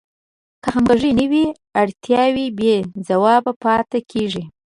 که همغږي نه وي اړتیاوې بې ځوابه پاتې کیږي.